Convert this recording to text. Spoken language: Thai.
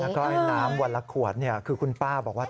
แล้วก็ไอ้น้ำวันละขวดคือคุณป้าบอกว่า